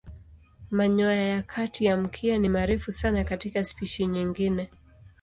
Manyoya ya kati ya mkia ni marefu sana katika spishi nyingine.